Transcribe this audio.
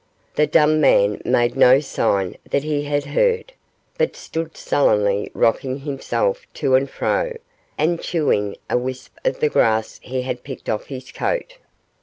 The dumb man made no sign that he had heard, but stood sullenly rocking himself to and fro an'd chewing a wisp of the grass he had picked off his coat.